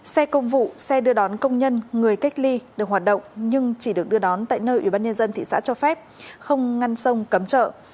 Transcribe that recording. xe công vụ xe đưa đón công nhân người cách ly được hoạt động nhưng chỉ được đưa đón tại nơi ủy ban nhân dân thị xã cho phép không ngăn sông cấm trợ